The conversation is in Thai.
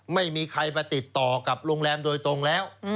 ไม่มีใครมาติดต่อกับโรงแรมโดยตรงแล้ว